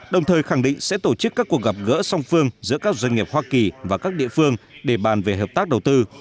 đồng thời khẳng định sẽ tổ chức các cuộc gặp gỡ song phương giữa các doanh nghiệp hoa kỳ và các địa phương để bàn về hợp tác đầu tư